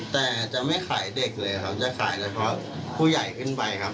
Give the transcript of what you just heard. แต่จะไม่ขายเด็กเลยครับจะขายเฉพาะผู้ใหญ่ขึ้นไปครับ